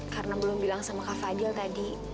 karena belum bilang sama kak fadil tadi